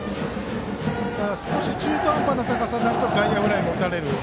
ただ少し中途半端な高さになると外野フライを打たれる。